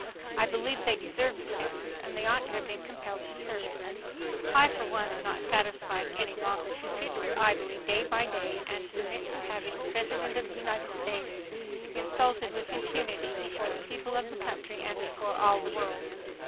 I believe they deserved the sentence, and they ought to have been compelled to serve it .... "I for one am not satisfied longer to sit here idly day by day and submit to having the President of the United States insulted with impunity before the people of the country and before all the world.